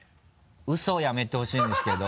ウソはやめてほしいんですけど。